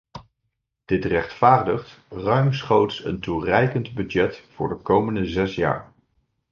Dit rechtvaardigt ruimschoots een toereikend budget voor de komende zes jaar.